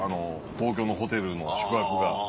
東京のホテルの宿泊が。